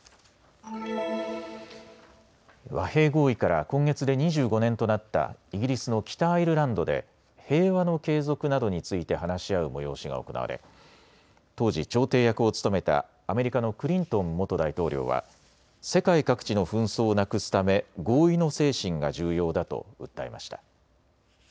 和平合意から今月で２５年となったイギリスの北アイルランドで平和の継続などについて話し合う催しが行われ当時、調停役を務めたアメリカのクリントン元大統領は世界各地の紛争をなくすため合意の精神が重要だと訴えました。